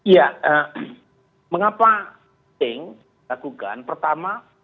ya mengapa penting dilakukan pertama